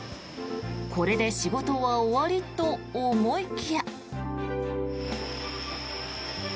これで仕事は終わりと思いきや。